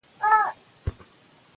بې شرفي بې شرمي بې حیايي رذالت سفالت